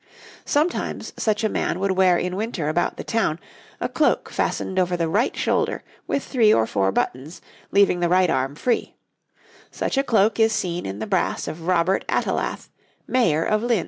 Sometimes such a man would wear in winter about the town a cloak fastened over the right shoulder with three or four buttons, leaving the right arm free; such a cloak is seen in the brass of Robert Attelathe, Mayor of Lynn.